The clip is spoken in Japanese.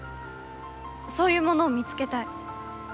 そういうものを見つけたい。